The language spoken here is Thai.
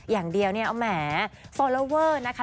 อย่างเดียวเนี่ยแหมฟอลลอเวอร์นะคะ